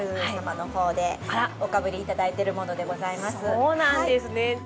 そうなんですね。